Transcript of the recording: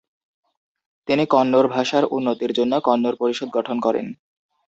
তিনি কন্নড় ভাষার উন্নতির জন্য কন্নড় পরিষদ গঠন করেন।